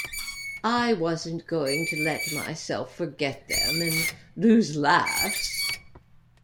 I wasn't going to let myself forget them and lose laughs.